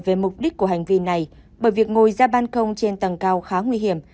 về mục đích của hành vi này bởi việc ngồi ra ban công trên tầng cao khá nguy hiểm